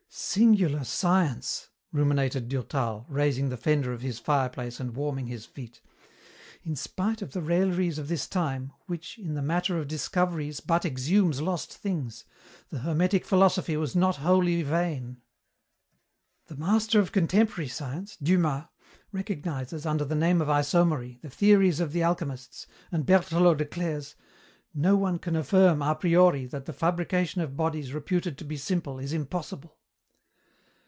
"Singular science," ruminated Durtal, raising the fender of his fireplace and warming his feet, "in spite of the railleries of this time, which, in the matter of discoveries but exhumes lost things, the hermetic philosophy was not wholly vain. "The master of contemporary science, Dumas, recognizes, under the name of isomery, the theories of the alchemists, and Berthelot declares, 'No one can affirm a priori that the fabrication of bodies reputed to be simple is impossible.'